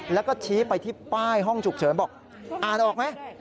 แล้วก็ชี้ไปที่ป้ายห้องฉุกเฉินบอกอ่านออกไหม